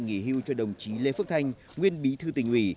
nghỉ hưu cho đồng chí lê phước thanh nguyên bí thư tình uỷ